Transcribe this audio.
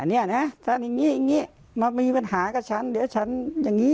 เนี่ยนะถ้าอย่างนี้อย่างนี้มามีปัญหากับฉันเดี๋ยวฉันอย่างนี้